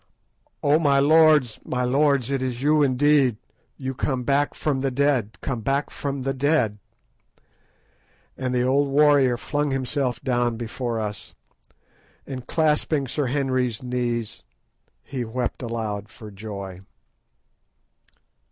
"Oh, my lords, my lords, it is indeed you come back from the dead!—come back from the dead!" And the old warrior flung himself down before us, and clasping Sir Henry's knees, he wept aloud for joy.